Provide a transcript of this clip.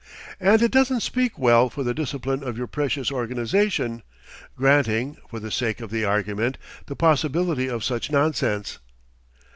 "And it doesn't speak well for the discipline of your precious organization granting, for the sake of the argument, the possibility of such nonsense."